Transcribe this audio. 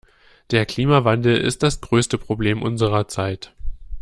Der Klimawandel ist das größte Problem unserer Zeit.